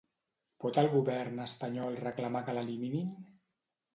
Pot el govern espanyol reclamar que l'eliminin?